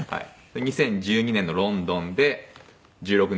２０１２年のロンドンで１６年リオ。